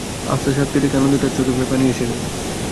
আফসার সাহেবকে দেখে আনন্দে তাঁর চোখে প্রায় পানি এসে গেল।